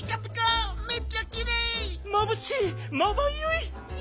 まぶしい！